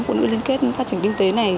phụ nữ liên kết phát triển kinh tế này